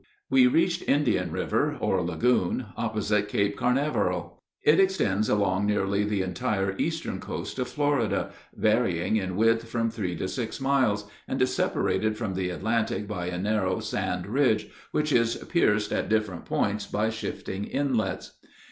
We reached Indian River, or lagoon, opposite Cape Carnaveral. It extends along nearly the entire eastern coast of Florida, varying in width from three to six miles, and is separated from the Atlantic by a narrow sand ridge, which is pierced at different points by shifting inlets.